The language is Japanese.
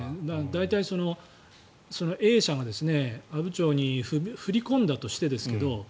大体、そのＡ社が阿武町に振り込んだとしてですね